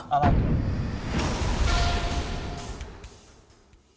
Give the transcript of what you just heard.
ฮะอะไร